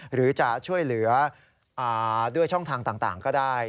หรือจะช่วยเหลือด้วยช่องทางต่างก็ได้